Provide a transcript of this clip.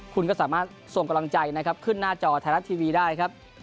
คุณก็สามารถส่งกำลังใจนะครับขึ้นหน้าจอไทยรัฐทีวีได้ครับ